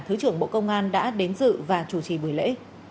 thứ trưởng bộ công an đã đến dự và chủ trì buổi lễ